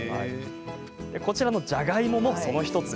こちらのじゃがいもも、その１つ。